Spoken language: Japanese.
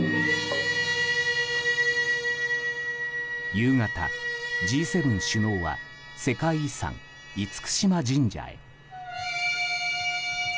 夕方、Ｇ７首脳は世界遺産・厳島神社へ。